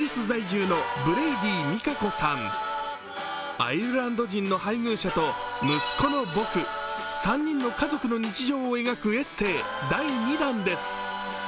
アイルランド人の配偶者と息子のぼく、３人の家族の日常を描くエッセー、第２弾です。